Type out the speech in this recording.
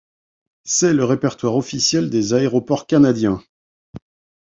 C'est le répertoire officiel des aéroports canadiens.